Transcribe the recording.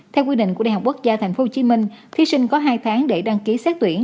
theo quy định của đại học quốc gia tp hcm thí sinh có hai tháng để đăng ký xét tuyển